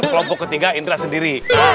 kelompok ketiga indra sendiri